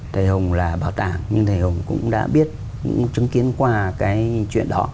thầy hồng là bảo tàng nhưng thầy hồng cũng đã biết cũng chứng kiến qua cái chuyện đó